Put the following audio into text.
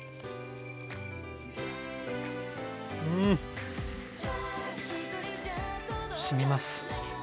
うん！しみます。